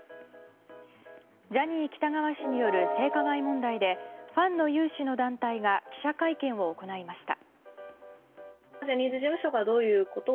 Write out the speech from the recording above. ジャニー喜多川氏による性加害問題でファンの有志の団体が記者会見を行いました。